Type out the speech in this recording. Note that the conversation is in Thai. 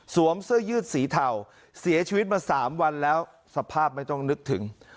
เสื้อยืดสีเทาเสียชีวิตมา๓วันแล้วสภาพไม่ต้องนึกถึง